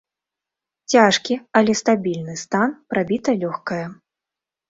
Цяжкі, але стабільны стан, прабіта лёгкае.